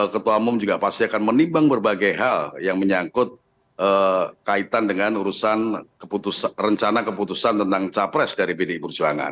ketua umum juga pasti akan menimbang berbagai hal yang menyangkut kaitan dengan urusan rencana keputusan tentang capres dari pdi perjuangan